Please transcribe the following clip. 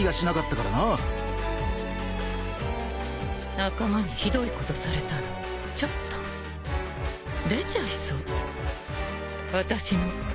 仲間にひどいことされたらちょっと出ちゃいそう私の悪魔の部分。